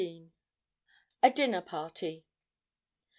A DINNER PARTY.